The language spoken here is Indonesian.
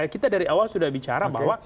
kita dari awal sudah bicara bahwa